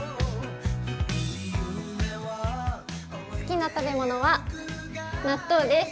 好きな食べ物は納豆です。